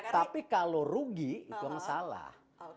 tapi kalau rugi itu masalah